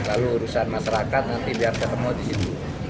lalu urusan masyarakat nanti biar ketemu disitu